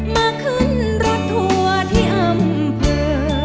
มาขึ้นรถทัวร์ที่อำเภอ